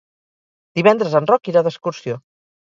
Divendres en Roc irà d'excursió.